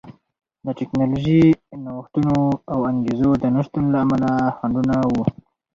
د ټکنالوژیکي نوښتونو او انګېزو د نشتون له امله خنډونه وو